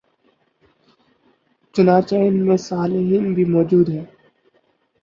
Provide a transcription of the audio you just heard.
چنانچہ ان میں صالحین بھی موجود ہیں